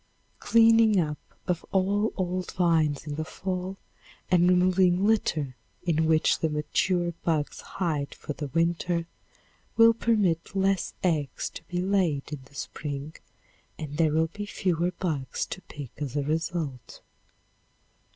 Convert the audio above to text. Cleaning up of all old vines in the fall and removing litter in which the mature bugs hide for the winter will permit less eggs to be laid in the spring and there will be fewer bugs to pick as a result.